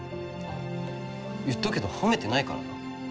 言っとくけど褒めてないからな。